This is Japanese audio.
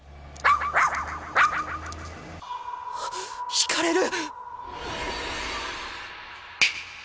ひかれる！